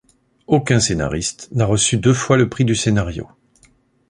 Aucun scénariste n'a reçu deux fois le Prix du Scénario.